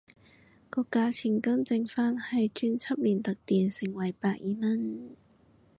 個價錢更正返係專輯連特典盛惠百二蚊